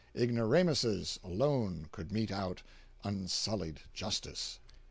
Ignoramuses alone could mete out unsullied justice.